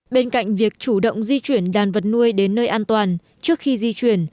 bên cạnh việc chủ động di chuyển đàn vật nuôi đến nơi an toàn trước khi di chuyển